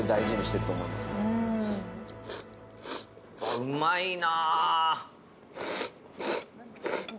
うまいな。